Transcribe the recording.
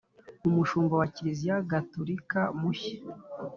umushumba wa kiliziya gatolika mushya,